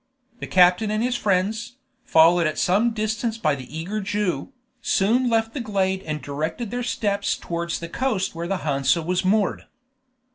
The captain and his friends, followed at some distance by the eager Jew, soon left the glade and directed their steps towards the coast where the Hansa was moored.